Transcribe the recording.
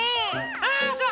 あそう？